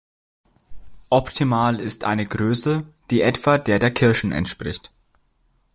Optimal ist eine Größe, die etwa der der Kirschen entspricht.